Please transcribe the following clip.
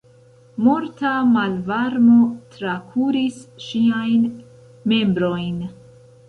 Morta malvarmo trakuris ŝiajn membrojn.